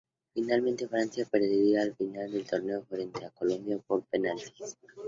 Finalmente Francia perdería la final del torneo frente a Colombia por penaltis.